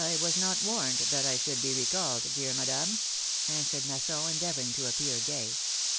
was not warned that I should be recalled, dear Madame," answered Masson, endeavoring to appear gay.